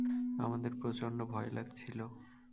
আমাদের প্রচন্ড ভয় লাগছিল।